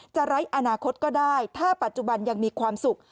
ไร้อนาคตก็ได้ถ้าปัจจุบันยังมีความสุข